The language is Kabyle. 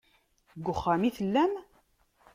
Deg uxxam i tellam?